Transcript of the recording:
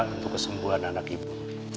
untuk kesembuhan anak ibu